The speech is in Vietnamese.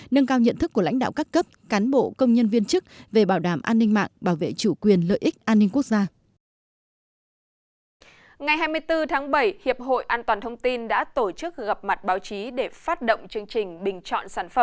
ngày hai mươi bốn tháng bảy hiệp hội an toàn thông tin đã tổ chức gặp mặt báo chí để phát động chương trình bình chọn sản phẩm dịch vụ an toàn thông tin chất lượng cao